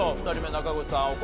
２人目中越さん